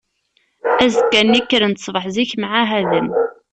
Azekka-nni, kkren-d ṣṣbeḥ zik, mɛahaden.